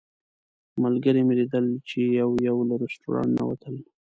ملګري مې لیدل چې یو یو له رسټورانټ نه ووتل.